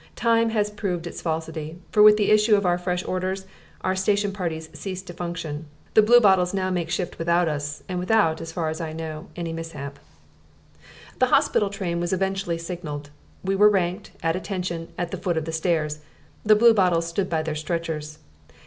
Time has proved its falsity, for with the issue of fresh orders our station parties ceased to function: the Bluebottles now make shift without us and without, as far as I know, any mishap. The hospital train was eventually signalled. We were ranked, at attention, at the foot of the stairs. The Bluebottles stood by their stretchers.